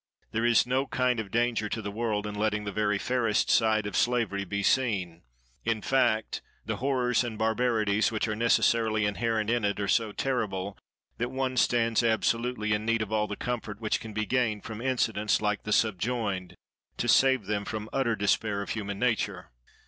There is no kind of danger to the world in letting the very fairest side of slavery be seen; in fact, the horrors and barbarities which are necessarily inherent in it are so terrible that one stands absolutely in need of all the comfort which can be gained from incidents like the subjoined, to save them from utter despair of human nature.